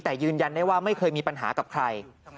แต่ยืนยันได้ว่าไม่เคยมีปัญหากับใคร